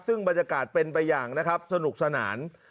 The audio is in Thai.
ซึ่งบรรยากาศเป็นไปอย่างนะครับสนุกสนาน